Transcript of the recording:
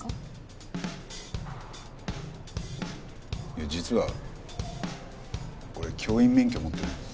いや実は俺教員免許持ってるんです。